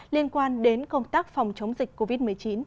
liên quan đến công tác phòng chống dịch covid một mươi chín